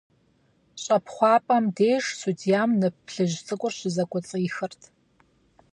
ЩӀэпхъуапӀэм деж судьям нып плъыжь цӀыкӀур щызэкӀуэцӀихырт.